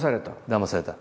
だまされた。